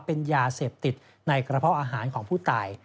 เป็นยาเสพติดในกระเพาะอาหารของผู้ตาย